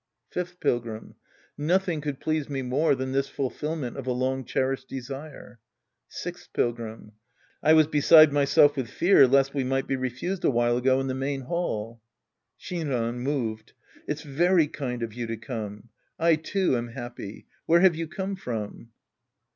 Fifth Pilgrim. Nothing could please me more than this fulfillment of a long cherished desire. Sixth Pilgrim. I.jKaa,.hesid&.dj^elf_wiAfeair uest ' we might be refused a while ago in the main hall. Shinran {moved). It's very kind of you to come. I, too, am happy. Where have you come from